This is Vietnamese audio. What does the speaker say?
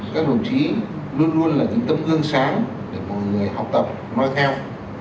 các đồng chí luôn luôn là những tâm hương sáng để mọi người học tập mang theo